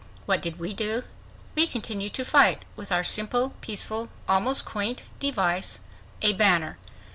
What did we do? We continued to fight with our simple, peaceful, almost quaint device a banner.